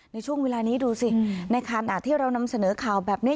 ในช่วงเวลานี้ดูสิในขณะที่เรานำเสนอข่าวแบบนี้